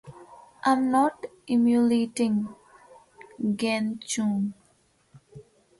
I'm not emulating Geng Chun.